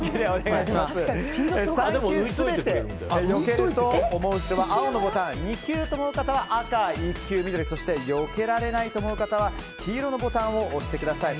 ３球全てよけると思う方は青のボタン２球と思う方は赤１球は緑、そしてよけられないと思う方は黄色のボタンを押してください。